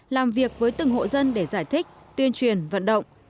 làm việc với từng hộ dân để giải thích tuyên truyền vận động